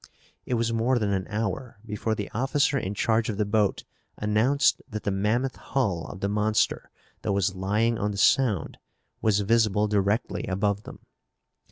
It was more than an hour before the officer in charge of the boat announced that the mammoth hull of the monster that was lying on the Sound was visible directly above them.